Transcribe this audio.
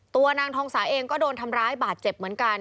ตัวนางทองสาเองก็โดนทำร้ายบาดเจ็บเหมือนกัน